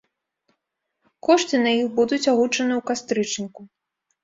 Кошты на іх будуць агучаны ў кастрычніку.